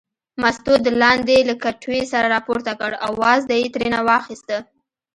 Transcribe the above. مستو د لاندې له کټوې سر راپورته کړ او وازده یې ترېنه واخیسته.